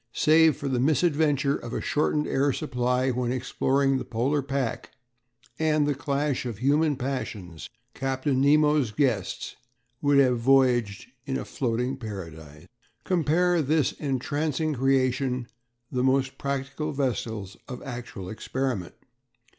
Save for the misadventure of a shortened air supply when exploring the Polar pack, and the clash of human passions, Captain Nemo's guests would have voyaged in a floating paradise. Compare with this entrancing creation the most practical vessels of actual experiment.